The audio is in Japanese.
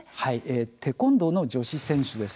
テコンドーの女子選手です。